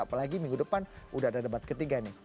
apalagi minggu depan sudah ada debat ketiga ini